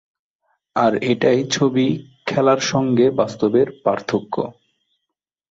আর এটাই ছবি খেলার সঙ্গে বাস্তবের পার্থক্য।